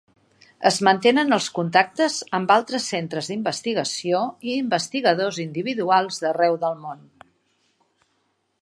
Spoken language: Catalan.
Es mantenen els contactes amb altres centres d'investigació i investigadors individuals d'arreu del món.